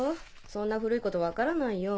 そんな古いこと分からないよ。